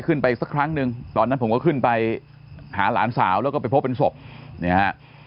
สักครั้งหนึ่งตอนนั้นผมก็ขึ้นไปหาหลานสาวแล้วก็ไปพบเป็นศพเนี่ยฮะ